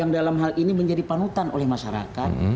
yang dalam hal ini menjadi panutan oleh masyarakat